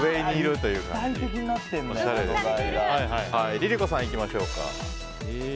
ＬｉＬｉＣｏさんいきましょうか。